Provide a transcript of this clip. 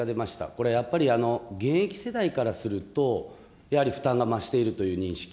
これ、やっぱり現役世代からするとやはり負担が増しているという認識。